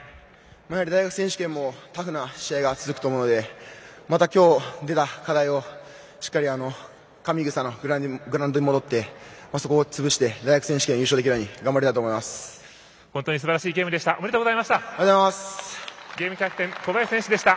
やはり大学選手権もタフな試合が続くと思うのでまた、きょう出た課題をしっかり、グラウンドに戻ってそこをつぶして大学選手権優勝できるように本当にすばらしいゲームでした。